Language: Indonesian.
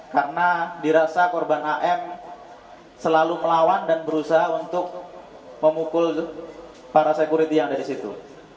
karena dirasa korban am selalu melawan dan berusaha untuk memukul para security yang ada di situ